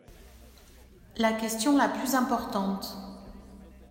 La question la plus importante.